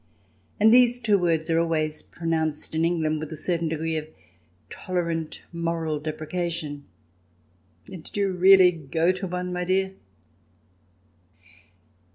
And these two words are always pronounced in England with a certain degree of tolerant moral deprecation —" And did you really go to one, my dear